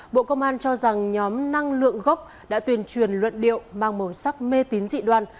bộ công an cho rằng nhóm năng lượng gốc đã tuyên truyền luận điệu mang màu sắc mê tín dị đoan